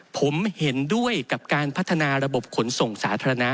ผมเห็นด้วยกับการพัฒนาระบบขนส่งสาธารณะ